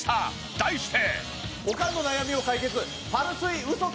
題して。